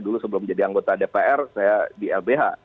dulu sebelum jadi anggota dpr saya di lbh